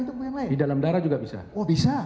untuk di dalam darah juga bisa oh bisa